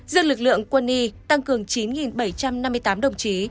riêng lực lượng quân y tăng cường chín bảy trăm năm mươi tám đồng chí